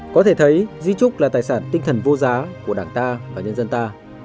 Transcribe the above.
có thể thấy di trúc là tài sản tinh thần vô giá của đảng ta và nhân dân ta